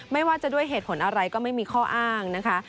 ไม่ว่าจะด้วยเหตุผลอะไรก็ไม่มีข้ออ้างนะคะ